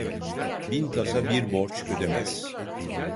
Bin tasa bir borç ödemez.